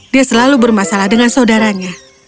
dia selalu bermasalah dengan saudaranya